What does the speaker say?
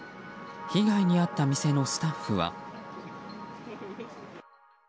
被害に遭った店のスタッフは。